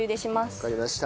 わかりました！